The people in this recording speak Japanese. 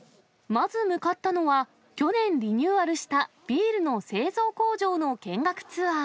まず向かったのは、去年リニューアルしたビールの製造工場の見学ツアー。